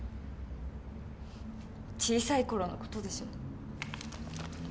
小さい頃のことでしょ？